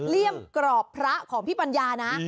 เลี่ยมกรอบพระของพี่ปัญญานะ